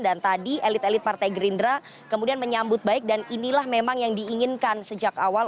dan tadi elit elit partai gerindra kemudian menyambut baik dan inilah memang yang diinginkan sejak awal